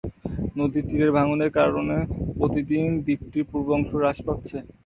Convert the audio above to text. নদীর তীরের ভাঙনের কারণে প্রতিদিন দ্বীপটির পূর্ব অংশ হ্রাস পাচ্ছে।